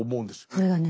それがね